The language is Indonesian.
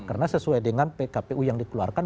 karena sesuai dengan pkpu yang dikeluarkan